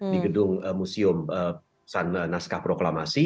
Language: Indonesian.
di gedung museum naskah proklamasi